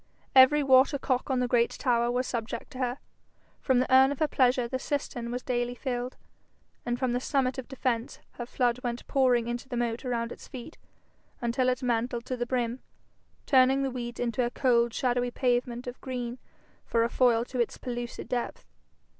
Every water cock on the great tower was subject to her. From the urn of her pleasure the cistern was daily filled, and from the summit of defence her flood went pouring into the moat around its feet, until it mantled to the brim, turning the weeds into a cold shadowy pavement of green for a foil to its pellucid depth.